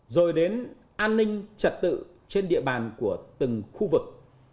rồi đến an ninh trật tự trên địa bàn của từng khu vực